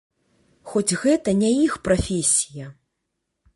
Хоць гэта не іх прафесія.